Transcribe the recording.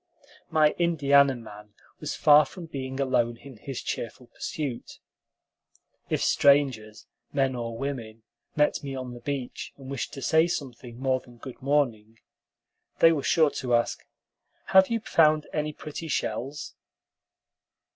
My Indiana man was far from being alone in his cheerful pursuit. If strangers, men or women, met me on the beach and wished to say something more than good morning, they were sure to ask, "Have you found any pretty shells?"